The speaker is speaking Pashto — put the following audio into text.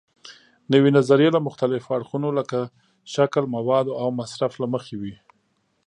نوې نظریې له مختلفو اړخونو لکه شکل، موادو او مصرف له مخې وي.